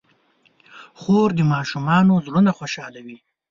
خور د ماشومانو زړونه خوشحالوي.